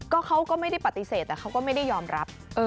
เขาก็ไม่ได้ปฏิเสธแต่เขาก็ไม่ได้ยอมรับ